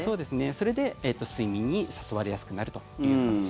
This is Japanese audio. それで睡眠に誘われやすくなるという形です。